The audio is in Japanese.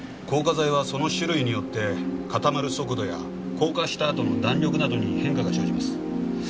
硬化剤はその種類によって固まる速度や硬化したあとの弾力などに変化が生じます。